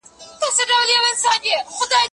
زه اجازه لرم چي لاس پرېولم،